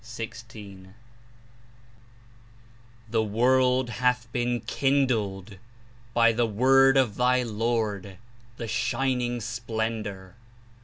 11 "The world hath been kindled by the Word of thy Lord, the Shining Splendor.